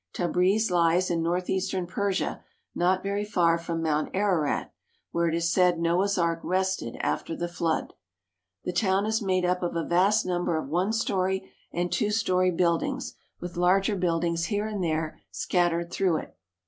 Tabriz lies in northeastern Persia not very far from Mount Ararat, where it is said Noah's Ark rested after the flood. The town is made up of a vast number of one story and two story buildings, with larger buildings here and there 332 PERSIA scattered through it.